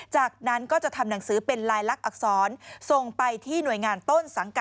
จากนั้นก็จะทำหนังสือเป็นรายลักอั